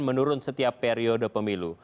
menurun setiap periode pemilu